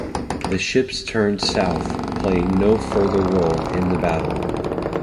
The ships turned south, playing no further role in the battle.